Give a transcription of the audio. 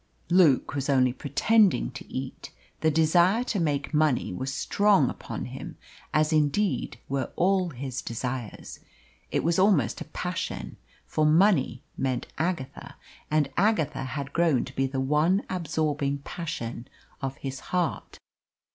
Luke was only pretending to eat. The desire to make money was strong upon him as indeed were all his desires it was almost a passion; for money meant Agatha, and Agatha had grown to be the one absorbing passion of his heart.